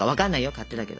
勝手だけど。